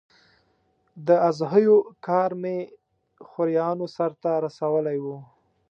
د اضحیو کار مې خوریانو سرته رسولی و.